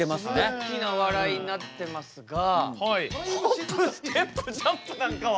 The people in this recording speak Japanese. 大きな笑いになってますが「ホップステップジャンプ」なんかは。